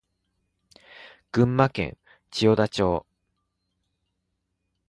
群馬県千代田町